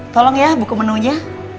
tolong ya buka menunya